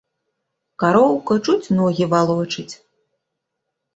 Кароўка чуць ногі валочыць.